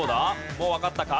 もうわかったか？